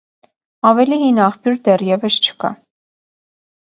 Ավելի հին աղբյուր դեռևս չկա։